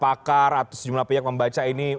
pakar atau sejumlah pihak membaca ini